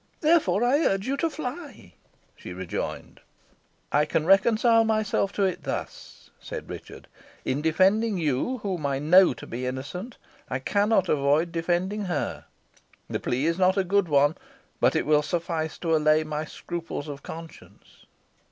"Therefore I urge you to fly," she rejoined. "I can reconcile myself to it thus," said Richard "in defending you, whom I know to be innocent, I cannot avoid defending her. The plea is not a good one, but it will suffice to allay my scruples of conscience."